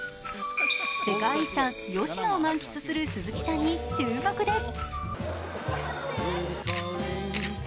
世界遺産・吉野を満喫する鈴木さんに注目です。